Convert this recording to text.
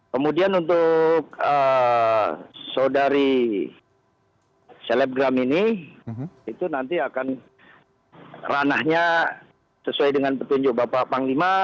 kemudian untuk saudari selebgram ini itu nanti akan ranahnya sesuai dengan petunjuk bapak panglima